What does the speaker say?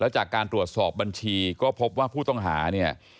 จากการตรวจสอบบัญชีก็พบว่าผู้ต้องหาเนี่ย